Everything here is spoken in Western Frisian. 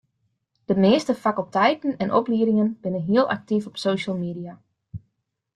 De measte fakulteiten en opliedingen binne hiel aktyf op social media.